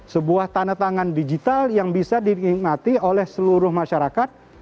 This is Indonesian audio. sebuah tanda tangan digital yang bisa dinikmati oleh seluruh masyarakat